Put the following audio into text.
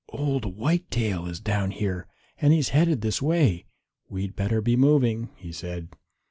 "Old Whitetail is down here and he's headed this way. We'd better be moving," he said.